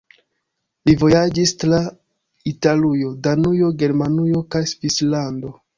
Li vojaĝis tra Italujo, Danujo, Germanujo kaj Svislando.